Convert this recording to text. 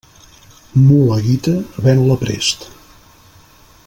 Mula guita, ven-la prest.